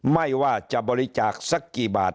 ไม่ว่าจะบริจาคสักกี่บาท